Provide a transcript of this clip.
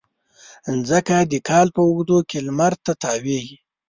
مځکه د کال په اوږدو کې لمر ته تاوېږي.